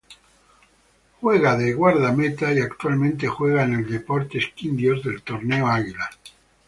Juega de guardameta y actualmente juega en el Deportes Quindío del Torneo Águila.